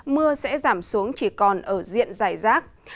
mưa sẽ giảm xuống chỉ còn ở diện dài rác